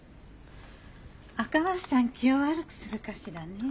赤松さん気を悪くするかしらねえ？